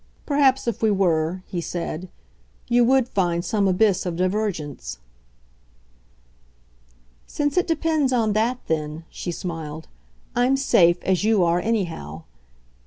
Perhaps if we were," he said, "you WOULD find some abyss of divergence." "Since it depends on that then," she smiled, "I'm safe as you are anyhow.